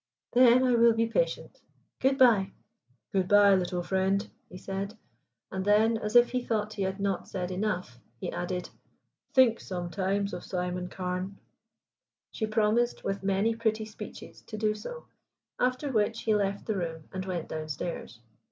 "Then I will be patient. Good bye." "Good bye, little friend," he said. And then, as if he thought he had not said enough, he added: "Think sometimes of Simon Carne." She promised, with many pretty speeches, to do so, after which he left the room and went downstairs.